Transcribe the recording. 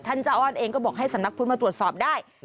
ท่านเจ้าอาวาสเองก็บอกให้สำนักภูติมาตรวจสอบได้